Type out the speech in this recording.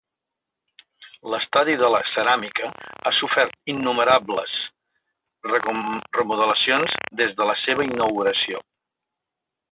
L'Estadi de la Ceràmica ha sofert innumerables remodelacions des de la seva inauguració.